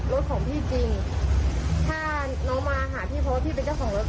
รถของพี่จริงถ้าน้องมาหาพี่เพราะว่าพี่เป็นเจ้าของรถ